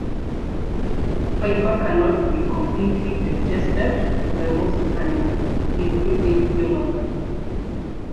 Fiber cannot be completely digested by most animals, including humans.